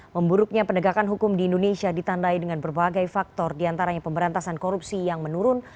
memburuknya penegakan hukum di indonesia ditandai dengan berbagai faktor diantaranya pemberantasan korupsi yang menurun